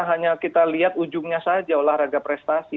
hanya kita lihat ujungnya saja olahraga prestasi